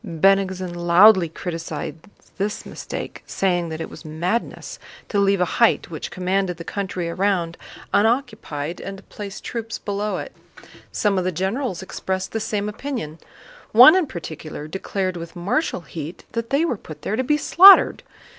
Bennigsen loudly criticized this mistake, saying that it was madness to leave a height which commanded the country around unoccupied and to place troops below it. Some of the generals expressed the same opinion. One in particular declared with martial heat that they were put there to be slaughtered.